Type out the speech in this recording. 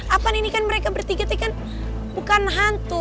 apaan ini kan mereka bertiga tuh kan bukan hantu